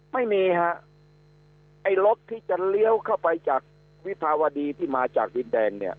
ไม่มีฮะไอ้รถที่จะเลี้ยวเข้าไปจากวิภาวดีที่มาจากดินแดงเนี่ย